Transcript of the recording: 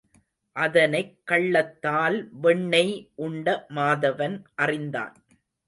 அதனைக் கள்ளத்தால் வெண்ணெய் உண்ட மாதவன் அறிந்தான்.